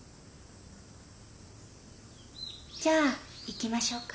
じゃあ行きましょうか。